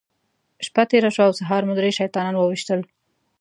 شپه تېره شوه او سهار مو درې شیطانان وويشتل.